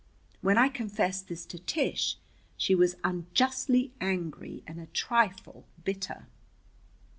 When I confessed this to Tish, she was unjustly angry and a trifle bitter.